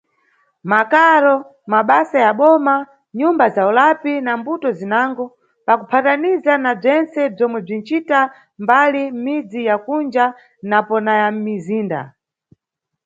Mʼmakaro, mʼmabasa ya boma, nʼnyumba za ulapi na mbuto zinango, pakuphataniza na bzentse bzomwe bzinʼcita mbali mʼmidzi ya kunja napo na ya mʼmizinda.